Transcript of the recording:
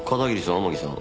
天樹さん